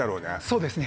そうですね